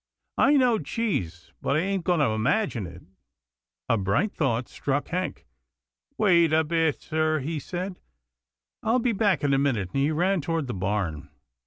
I know cheese, but I ain't going to imagine it.' " A bright thought struck Hank. " Wait a bit, sir," he said, " I'll be back in a minute," and he ran toward the barn.